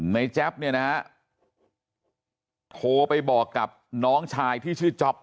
แจ๊บเนี่ยนะฮะโทรไปบอกกับน้องชายที่ชื่อจ๊อป